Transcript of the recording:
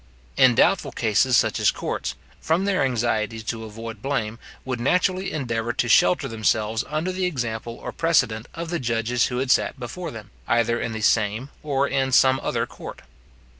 In doubtful cases such courts, from their anxiety to avoid blame, would naturally endeavour to shelter themselves under the example or precedent of the judges who had sat before them, either in the same or in some other court.